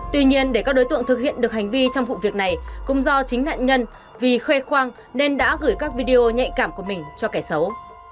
tuy nhiên để các đối tượng thực hiện được hành vi trong vụ việc này cũng do chính nạn nhân vì khoe khoang nên đã gửi các video nhạy cảm của mình cho kẻ xấu